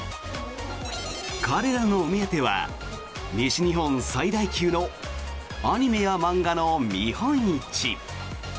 彼らの目当ては西日本最大級のアニメや漫画の見本市。